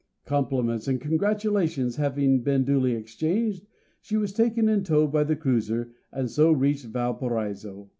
Compliments and congratulations having been duly exchanged, she was taken in tow by the cruiser, and so reached Valparaiso.